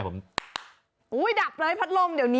เฮ่ย